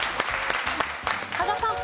加賀さん。